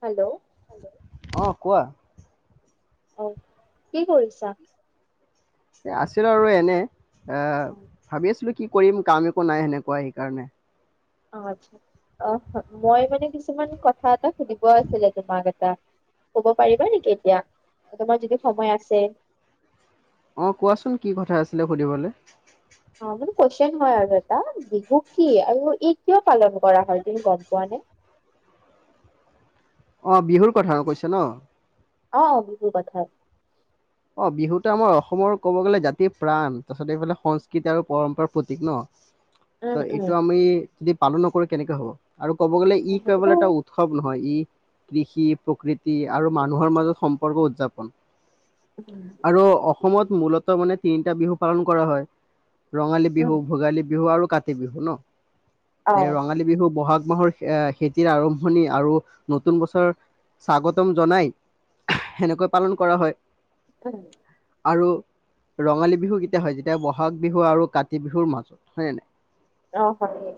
Hello, অহ ' কোৱা? অহ ' কি কৰিছা? এ আছিল আৰু এনে। আহ, অ ভাবি আছিলো কি কৰিম কাম একো নাই সেনেকুৱা সেইকাৰণে। অহ ' আচ্ছা অহ' মই মানে কিছুমান কথা এটা সুধিব আছিলে তোমাক এটা। কব পাৰিবা নেকি এতিয়া তোমাৰ যদি সময় আছে। অহ ' কোৱাচোন কি কথা আছিলে সুধিবলৈ। অহ ' মানে কোৱেষ্টন হয় আৰু এটা। বুক কি আৰু ই কিয় পালন কৰা হয় তুমি গম পোৱা নে? অহ ' বিহুৰ কথা কৈছো ন। অহ ' বিহু কথায়। অহ ' বিহুতো আমাৰ অসমৰ কব গ'লে জাতিৰ প্ৰাণ তাৰ পিছত এইফালে সংস্কৃতি আৰু পৰম্পৰাৰ প্ৰতীক ন। উম ত' উম এইটো আমি যদি পালন নকৰে কেনেকে হ'ব। আৰু ক'ব গ'লে ই সেইটো কেৱল এটা উৎসৱ নহয় ই কৃষি প্ৰকৃতি আৰু মানুহৰ মাজত সম্পৰ্ক উদযাপন। উম আৰু অসমত মূলত মানে তিনিটা বিহু পালন কৰা হয়। ৰঙালী উম বিহু, ভোগালী বিহু আৰু কাতি বিহু ন। অ তে ৰঙালী বিহু বহাগ মাহৰ এ খেতিৰ আৰম্ভণি আৰু নতুন বছৰ স্বাগতম জনাই সেনেকৈ পালন কৰা হয়। উম। আৰু ৰঙালী বিহু কেতিয়া হয় যেতিয়া বহাগ বিহু আৰু কাতি বিহুৰ মাজত হয়ে ন নাই। অহ ' হয়।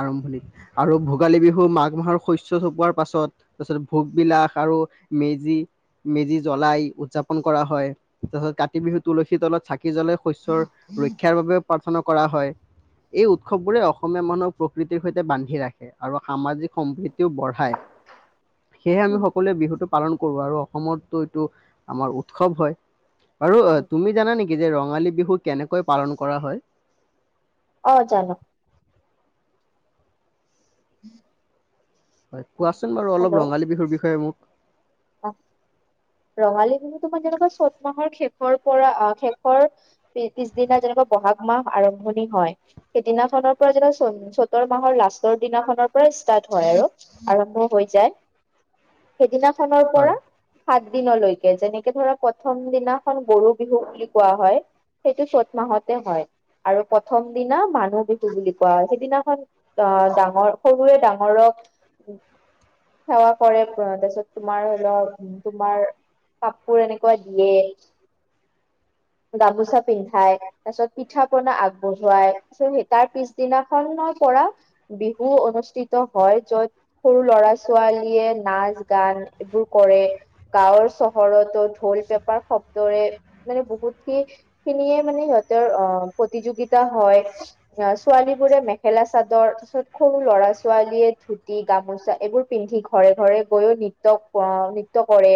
আৰম্ভণিত আৰু ভোগালী বিহু মাঘ মাহৰ শস্য চপোৱাৰ পাছত তাৰছত ভোগবলাস আৰু মেজি - মেজি জ্বলাই। উদযাপন কৰা হয় তাৰপাছত কাতি বিহু তুলসীৰ তলত চাক ি জলে শস্্যৰ ৰক্ষাৰ বাবে কৰা হয় এই উৎসৱবোৰে অসমীয়া মানুহক প্ৰকৃতিৰ সৈতে বান্ধি ৰাখে আৰু সামাজিক সম্প্ৰীতিও বঢ়ায় সেয়েহে আমি উম সকলোৱে বিহুত পালন কৰো আৰু অসমতো এইটো আমাৰ উৎসৱ হয় আৰু অ উম তুমি জানা নেকি যে ৰঙালী বিহু কেনেকৈ পালন কৰা হয় অ জানো হম হয় কোৱাচোন বাৰু অলপ ৰঙালী বিহুৰ বিষয়ে মোক ৰঙালী বিহু তোমাৰ যেনেকুৱা চ'ত মাহৰ শেষৰ পৰা আহ শেষৰ পিছদিনা যেনেকুৱা বহাগ মাহ আৰম্ভণি হয় সেইদিনাখনৰ পৰা যেনে চতৰ মাহৰ লাষ্টৰ দিনাখনৰ পৰা ষ্টাৰ্ট হয় আৰু আৰম্ভ হৈ যায় সেইদিনা সৰ হয় পৰা স দিনলৈকে যেনেকে ধৰাক প্ৰথম দিনাখন গৰু বিহু বুলি কোৱা হয় সেইটো চ'ত মাহতে হয় আৰু প্ৰথম দিনা মানুহ বিহু বুলি কোৱা হয় সেইদিনাখন আহ ডাঙৰ সৰুৱৰে ডাঙৰক সেৱা কৰে তাৰ পিছত তোমাৰ অল তোমাৰ কাপোৰ এনেকুৱা দিয়ে গামোচা পিন্ধাই তাৰ পিছত পিঠা পনা আগবঢ়ুৱাই তাৰত স তাৰ পিছদিনাখনৰ পৰা বিহু অনুষ্ঠিত হয় যত সৰু লৰা ছোৱালীয়ে নাচ গান এইবোৰ কৰে গাঁৱৰ চহৰতো ঢোল পেপাৰ শব্দৰে মানে বহুতখি খিনিয়ে মানে সিহঁতৰ অ প্ৰতিযোগিতা হয় আহ ছোৱালী বোৰে মেখেলা চাদৰ তাৰ পিছত সৰু ল'ৰা ছোৱালীয়ে ধুতি গামোচা এইবোৰ পিন্ধি ঘৰে ঘৰে গৈও নৃত্য নৃত্য কৰে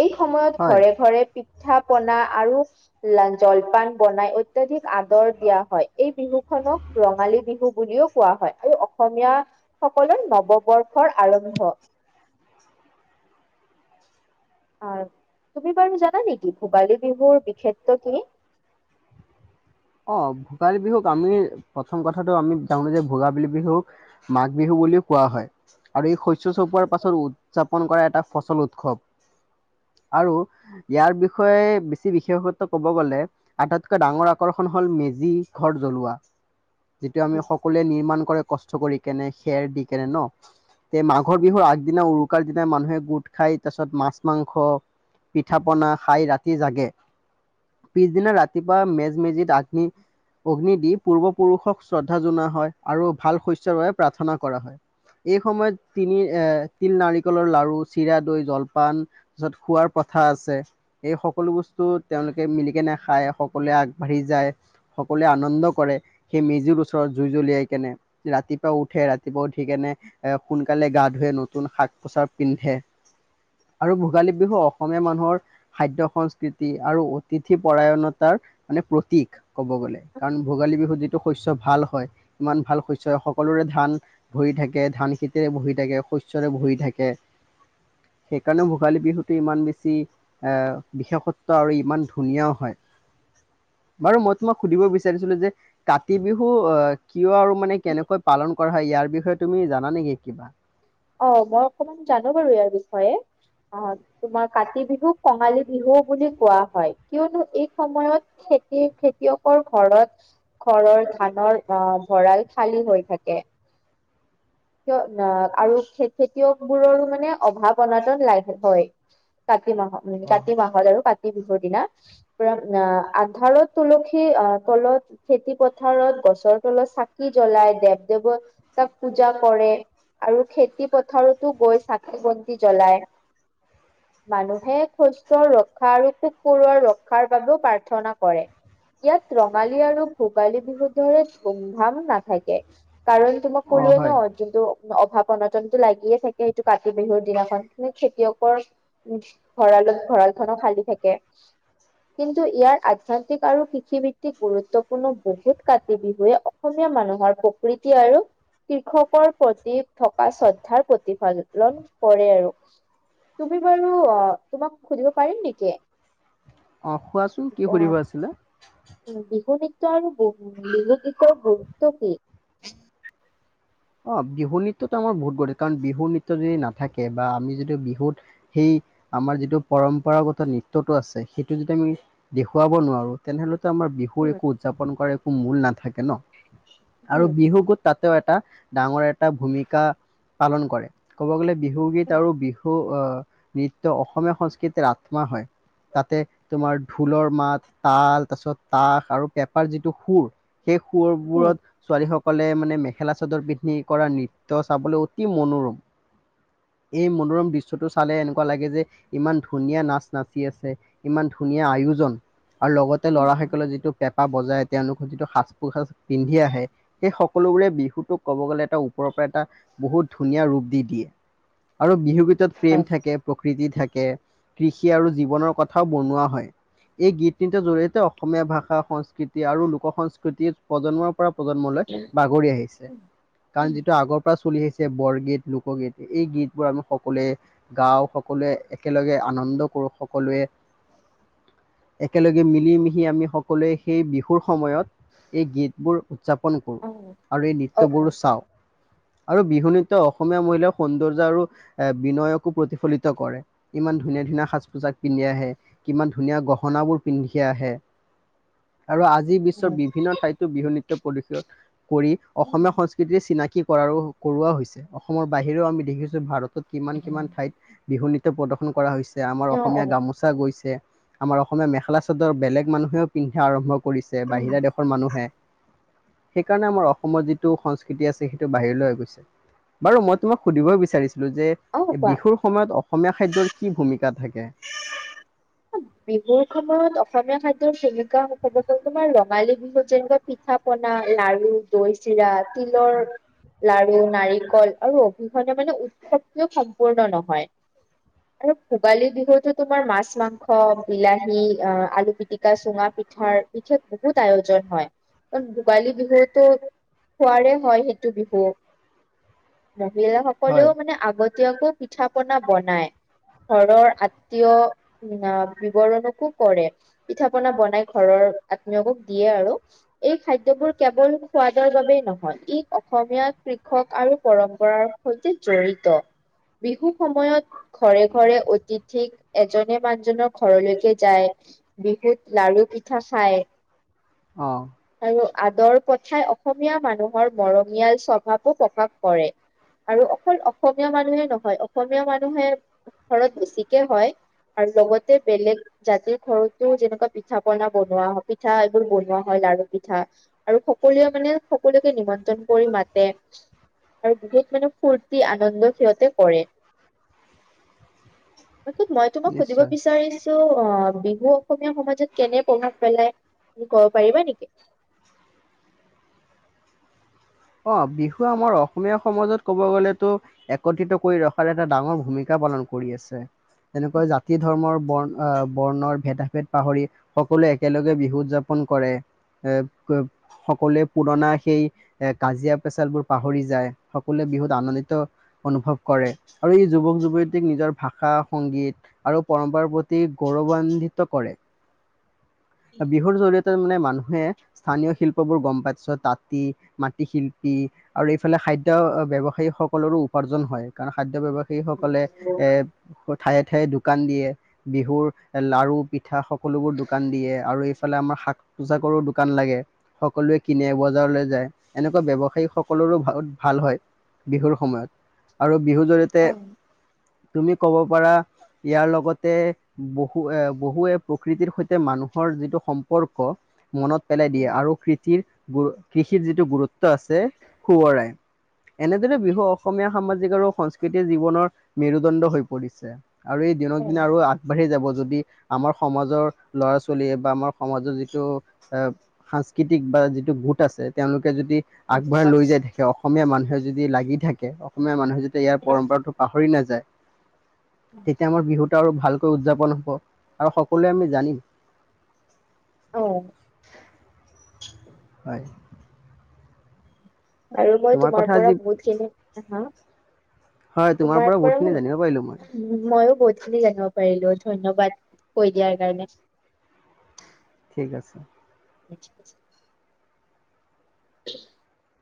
এই সময়ত হয় ঘৰে ঘৰে পিঠা পনা আৰু জলপান বনাই অত্যাধিক আদৰ দিয়া হয় এই বিহু খনক ৰঙালী বিহু বুলিও কোৱা হয় আৰু অসমীয়া সকলৰ নৱবৰ্ষ আৰম্ভ আহ তুমি বাৰু জানা নেকি ভোগালী বিহুৰ বিখ্যাত কি অ ভোগালী বিহুক আমি প্ৰথম কথাটো আমি জানো যে ভোগালী বিহুক মাঘ বিহু বুলিও কোৱা হয় আৰু এই শ উ চপোৱাৰ পাছতো উদযাপন কৰাটা এটা ফচল উৎসৱ আৰু ইয়াৰ বিষয়ে বেছি বিশেষত ক'ব গ'লে আটাইতকৈ ডাঙৰ আকৰ্ষণ হ'ল মেজি ঘৰ জ্বলোৱা যিটো আমি সকলোৱে নিৰ্মাণ কৰে কষ্ট কৰি কেনে খেৰ দি কেনে ন তে মাঘৰ বিহুৰ আগদিনা উৰুকাৰ দিনা মানুহে গোট খাই তাৰ পিছত মাছ মাংস পিঠা পনা খাই ৰাতি জাগে পিছ সদিনা ৰাপুৱা মেজ য আগ্নি অগ্নি দি পূৰ্বপুৰুষক শ্ৰদ্ধা জনা হয় আৰু ভাল শস্ৰ বাবে প্ৰাৰ্থনা কৰা হয় এই সময়ত তিনি এ তিল নাৰিকলৰ লাৰু চিৰা দৈ জলপান তাৰপিছত খোৱাৰ প্ৰথা আছে এই সকলো বস্তু তেওঁলোকে মিলিিকনে খায় সকলোৱে আগ বাঢ়ি যায় সকলোৱে আনন্দ কৰে সেই মেজিৰ ওচৰত জুই জ্বলিয়াই কেনে ৰাতিপুৱা উঠে ৰাতিপুৱা উঠি কেনে এ সোনকালে গা ধুৱে নতুন শাক পচাৰ পিন্ধে আৰু ভোগালী বিহু অসমীয়া মানুহৰ খাদ্যয় সংস্কৃতি আৰু অতিথি পৰাৰায়নতাৰ মানে প্ৰতীক ক'ব গ'লে কাৰণ ভোগালী বিহুত যেতি টো শস্য ভাল হয় ইমান ভাল শস্য হয় সকলোৰে ধান ভৰি থাকে ধান খেতিৰে বহ থাকে শস্যৰে ভৰি থাকে সেইকাৰণে ভোগালী বিহুটো ইমান বেছি এ বিশেষত্ব আৰু ইমান ধুনীয়াও হয় বাৰু মই তোমাক সুধিব বিচাৰিছিলো যে কাতি বিহু আহ কিয় আৰু মানে কেনেকৈ পালন কৰা হয় ইয়াৰ বিষয়ে তুমি জানা নেকি কিবা। অ মই অকমান জানো বাৰু ইয়াৰ বিষয়ে আহ তোমাৰ কাতি বিহু কঙালী বিহু বুলি কোৱা হয়। কিয়নো এই সময়ত খেতি খেতিয়কৰ ঘৰত ঘৰৰ ধানৰ আহ ভঁৰাল খালী হৈ থাকে কিয় আৰু খেতিয়কবোৰৰো মানে অভাৱ অনাটন লাগ কৰে ত কাতি মাহত মানে অ কাতি মাহত আৰু কা কাতি বিহুৰ দিনা পোৰা আন্ধাৰত তুলসী তলত, খেতি পথাৰত, গছৰ তলত চাকি জ্বলাই দেৱ দেৱৰ তাক পূজা কৰে আৰু খেতি পথাৰতো গৈ চাকি বন্তি জ্বলায়। মানুহে শস্যৰ ৰক্ষা আৰু পোক পৰুৱা ৰক্ষাৰ বাবেও প্ৰাৰ্থনা কৰে। ইয়াত ৰঙালী আৰু ভোগালী বিহু দৰে ধুমধাম নাথাকে। কাৰণ তো মই অ ক'লো ন হয় যোনটো অভাৱ। গণতন্তু লাগে। দিয়ে থাকে সেইটো কাতি বিহুত। দিনাখন খেতিয়কৰ ভঁৰালত ভঁৰালখননক খালি থাকে। কিন্তু ইয়াৰ আধ্যাতিক আৰু কৃষিভিত্তিক গুৰুত্বপূৰ্ণ বহুত কাতি বিহুৱে অসমীয়া মানুহৰ প্ৰকৃতি আৰু কৃষকৰ প্ৰতি থকা শ্ৰদ্ধাৰ প্ৰতিফালন কৰে আৰু তুমি বাৰু। তোমাক সুধিব পাৰিম নেকি? অ কোৱাচোন কি অ সুধিব আছিলে? বিহু নৃত্য আৰু বিহু নৃত্য গুৰুত্ব কি? অ বিহু নৃত্যটো আমাৰ বহুত গতি কাৰণ বিহু নৃত্য যদি নাথাকে বা আমি যদি বিহুত সেই আমাৰ যিটো পৰম্পৰাগত নৃত্যটো আছে। সেইটো যদি আমি দেখুৱাব নোৱাৰো তেনেহ'লে আমাৰ বিহু উম একো উদযাপন কৰা। মূল নাথাকে। ন অ আৰু বিহুতো তাত এটা ডাঙৰ এটা ভূমিকা পালন কৰে ক'ব গ'লে বিহুগীত আৰু বিহু। আহ নৃত্য অসমীয়া সংস্কৃতিৰ আত্মা হয়। তাতে তোমাৰ ঢোলৰ মাত, তাল তাৰপিছত তাক আৰু পেপাৰ যিটো সুৰ সেই সুৰ অ বোৰত ছোৱালী সক। সকলে মানে মেখেলা চাদৰ পিন্ধি। কৰা নৃত্য চাবলৈ অতি মনোৰম। এই মনোৰম দৃশ্যটো চালে এনেকুৱা লাগে যে ইমান ধুনীয়া নাচ নাচি আছে ইমান ধুনীয়া আয়োজন আৰু লগতে ল'ৰা সকলৰ যিটো কেপ। বজাই তেওঁলোকৰ যিটো সাজ-পোছাক পিন্ধি আহে সেই সকলোবোৰে বিহুতোক। ক'ব গ'লে এটা ওপৰৰ পৰা এটা বহুত ধুনীয়া ৰূপ দি দিয়ে আৰু বিহু গীতত প্ৰেম থাকে প্ৰকৃতিত থাকে কৃষি আৰু জীৱনৰ কথাও বনোৱা হয়। এই গীত নীতিৰ জৰিয়তে অসমীয়া ভাষা সংস্কৃতি আৰু লোক সংস্কৃতি প্ৰজন্মৰ পৰা প্ৰজন্মলৈ বাগৰি আহিছে। কাৰণ যিটো আগৰ পৰা চলি আহিছে। বৰগীত, লোকগীত এই গীতবোৰ আমি সকলোৱে গাওঁ সকলোৱে একেলগে আনন্দ কৰো সকলোৱে একেলগে মিলি মিহি আমি সকলোৱে সেই বিহুৰ সময়ত এই গীতবোৰ উদযাপন কৰোঁ আৰু এই নৃত্য বোৰ চাওঁ। আৰু বিহু নৃত্য অসমীয়া মহিলাই সৌন্দৰ্য্য আৰু এ বিনয়কো প্ৰতিফলিত কৰে ইমান ধুনীয়া ধুনীয়া সাজ-পোছাক পিন্ধি আহে কিমান ধুনীয়া গহনাবোৰ পিন্ধি আহে। আৰু আজি বিশ্বৰ বিভিন্ন ঠাইতো বিহু নৃত্য পৰিশোধ কৰি অসমীয়া সংস্কৃতিৰ চিনাকি কি কৰাৰো কৰোৱা হৈছে, অসমৰ বাহিৰেও আমি দেখিছো ভাৰত। কিমান, কিমান ঠাইত বিহু নৃত্য প্ৰদৰ্শন কৰা হৈছে। আমাৰ অসমীয়া গামোচা গৈছে। আমাৰ অসমীয়া মেখেলা-চাদৰ বেলেগ মানুহেও পিন্ধা আৰম্ভ কৰিছে বাহিৰা দেশৰ মানুহে। সেইকাৰণে আমাৰ অসম অসমৰ যিটো সংস্কৃতি আছে, সেইটো বাহিৰলৈ হৈ গৈছে বাৰু মই তোমাক সুধিব বিচাৰিছো যে অ কোৱা বিহুৰ সময়ত অসমীয়া খাদ্যৰ কি ভূমিকা থাকে। [inaudible] বিহুৰ সময়ত অসমীয়া খাদ্যৰ ভূমিকা হ'ব পাৰে তোমাৰ ৰঙালী বিহুত যেনেকুৱা পিঠা-পনা, লাৰু, দৈ চিৰা, তিলৰ লাৰু, নাৰিকল আৰু অবিহনে মানে উৎসৱ তো সম্পূৰ্ণ নহয় আৰু ভোগালী বিহুতো তোমাৰ মাছ-মাংস স, বিলাহী আহ আলু পিটিকা, চুঙা পিঠাৰ বিশেষ বহুত আয়োজন হয়, ভোগালী বিহুতো খোৱাৰে হয়, সেইটো বিহু মহিলাসকলেও হয় মানে আগত আতীয়কো পিঠা পনা বনাই, ঘৰৰ আতীয় বিৱৰণকো কৰে, পিঠা-পনা বনাই ঘৰৰ আত্মীয়কক দিয়ে আৰু এই খাদ্যযবোৰ কেৱল সোৱাদৰ বাবেই নহয়, ই অসমীয়া কৃষক আৰু পৰম্পৰাৰ সৈতে জড়িত, বিহু সময়ত ঘৰে-ঘৰে অতিথিক এজন নে মানুহজনৰ ঘৰলৈকে যায়, বিহুত লাৰু, পিঠা খায়। অহ। আৰু আদৰ প্ৰথাই অসমীয়া মানুহৰ মৰমীয়াল স্বভাৱো প্ৰকাশ কৰে আৰু অকল অসমীয়া মানুহে নহয় অসমীয়া মানুহে ঘৰত বেছিকে হয়। আৰু লগতে বেলেগ জাতিৰ ঘৰতো যেনেকুৱা পিঠা-পনা বনোৱা হয়। পিঠা এইবোৰ বনোৱা হয়, লাৰু, পিঠা আৰু সকলোৱে মানে সকলোকে নিমন্ত্ৰণ কৰি মাতে আৰু বহুত মানে ফূৰ্তি আনন্দ সিহঁতে কৰে, মই সুধিব নিশ্চয় বিচাৰিছো অ' বিহু অসমীয়া সমাজত কেনে প্ৰভাৱ পেলাই তুমি ক'ব পাৰিবা নেকি? অ' বিহু আমাৰ অসমীয়া সমাজত ক'ব গলেতো একত্ৰিত কৰি ৰখাৰ এটা ডাঙৰ ভূমিকা পালন কৰি আছে। তেনেকুৱা জাতি, ধৰ্মৰ। বৰ্ণ আহ বৰ্ণৰ ভেদা-ভেদ পাহৰি সকলোৱে একেলগে বিহু উদযাপন কৰে, এ সকলোৱে পুৰণা সেই এ কাজিয়া-পেচালবোৰ পাহৰি যায়। সকলোৱে বিহুত আনন্দিত অনুভৱ কৰে আৰু এই যুৱক- যুৱতীক নিজৰ ভাষা, সংগীত আৰু পৰম্পৰাৰ প্ৰতি গৌৰৱান্বিত কৰে। বিহুৰ জৰিয়তে মানে মানুহে স্থানীয় শিল্পবোৰ গম পাই পিছত তাঁতি মাটি শিল্পী আৰু এইফালে খাদ্য ব্যৱসায়ী সকলৰো উপাৰ্জন হয় কাৰণ খাদ্য ব্যৱসায় সেই সকলে এ ঠাইত উঠাই দোকান দিয়ে, বিহুৰ লাৰু-পিঠা সকলোবোৰ দোকান দিয়ে আৰু এইফালে আমাৰ শাক- পোচাকৰো দোকান লাগে, সকলোৱে কিনে, বজাৰলৈ যায়। এনেকুৱা ব্যৱসায়ী সকলৰো ভাল হয়, বিহুৰ সময়ত আৰু বিহুৰ জৰিয়তে অ তুমি ক'ব পাৰা ইয়াৰ লগতে বহু এ বহুৱে প্ৰকৃতিৰ সৈতে মানুহৰ যিটো সম্পৰ্ক মনত পেলাই দিয়ে আৰু কৃতিৰ গৈ কৃষিত যি টো গুৰুত্ব আছে সোঁৱৰাই এনেদৰে বিহু অসমীয়া সামাজিক আৰু সংস্কৃতিৰ জীৱনৰ মেৰুদণ্ড হৈ পৰিছে। আৰু এই দিনক দিনে আৰু আগবাঢ়ি যাব যদি আমাৰ সমাজৰ ল'ৰা ছোৱালীয়ে বা আমাৰ সমাজৰ যিটো এ সাংস্কৃতিক বা যিটো গোট আছে তেওঁলোকে যদি আগবঢ়াই লৈ যাই থাকে, অসমীয়া মানুহে যদি লাগি থাকে, অসমীয়া মানুহে যদি ইয়াৰ পৰম্পৰাটো পাহৰি নাযায় তেতিয়া আমাৰ বিহুতটো আৰু ভাল ভালকৈ উদযাপন হ'ব আৰু সকলোৱে আমি জানিম অ হয়। আৰু মই তোমাৰ কথা পৰা আজি বহুত খিনি হা হয় তোমাৰ পৰা বহুতখিনি জানিব পাৰিলো মই ময়ও বহুত খিনি জানিব পাৰিলো। ধন্যবাদ, কৈ দিয়াৰ কাৰণে। ঠিক আছে। [unintelligible] [unintelligible]